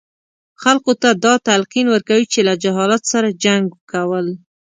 خلکو ته دا تلقین ورکوي چې له جهالت سره جنګ کول.